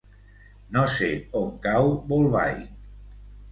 No sé on cau Bolbait.